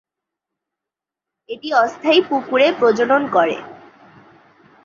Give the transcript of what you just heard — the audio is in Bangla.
এটি অস্থায়ী পুকুরে প্রজনন করে।